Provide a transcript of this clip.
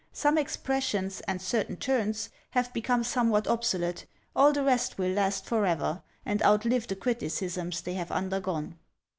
Some expressions, and certain turns, have become somewhat obsolete; all the rest will last for ever, and outlive the criticisms they have undergone."